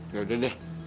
gak udah deh